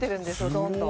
どんどん。